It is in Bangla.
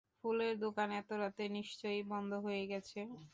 ফুলের দোকান এত রাতে নিশ্চয়ই বন্ধ হয়ে গেছে।